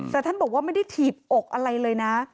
แต่ท่านบอกว่าไม่ได้ถีบอกอะไรเลยนะ